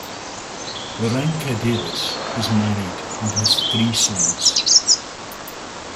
Irranca-Davies is married and has three sons.